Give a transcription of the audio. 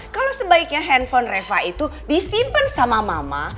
kalau sebaiknya handphone reva itu disimpan sama mama